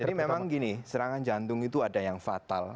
jadi memang gini serangan jantung itu ada yang fatal